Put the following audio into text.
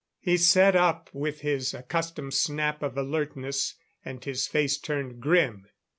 He sat up with his accustomed snap of alertness, and his face turned grim.